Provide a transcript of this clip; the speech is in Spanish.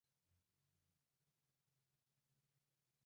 Es la canción principal de la película de Disney "Oz: el Poderoso".